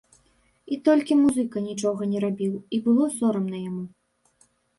І толькі музыка нічога не рабіў, і было сорамна яму.